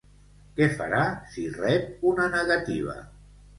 Que farà si rep una negativa?